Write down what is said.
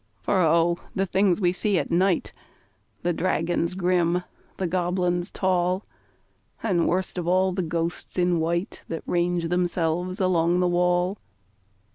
For O! the things we see at night The dragons grim, the goblins tall, And, worst of all, the ghosts in white That range themselves along the wall!